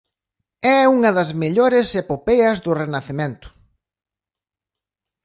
É unha das mellores epopeas do Renacemento.